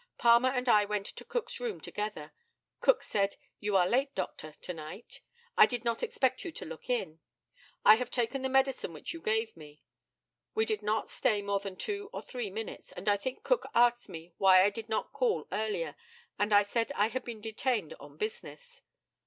Palmer and I went up to Cook's room together. Cook said, "You are late, doctor, to night. I did not expect you to look in. I have taken the medicine which you gave me." We did not stay more than two or three minutes, and I think Cook asked me why I did not call earlier. I said I had been detained on business.